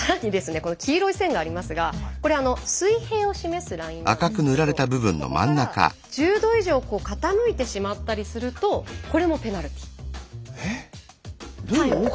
この黄色い線がありますがこれ水平を示すラインなんですけれどここから１０度以上傾いてしまったりするとこれもペナルティー。